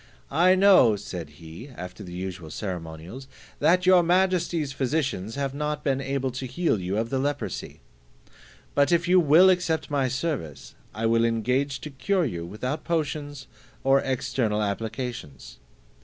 "I know," said he, after the usual ceremonials, "that your majesty's physicians have not been able to heal you of the leprosy; but if you will accept my service, I will engage to cure you without potions, or external applications."